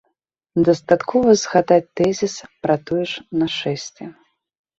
Дастаткова згадаць тэзіс пра тое ж нашэсце.